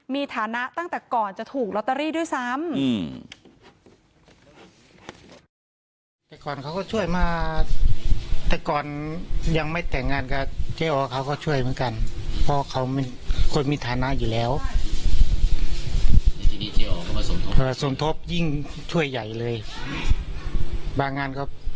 มีฐานะตั้งแต่ก่อนจะถูกลอตเตอรี่ด้วยซ้ำ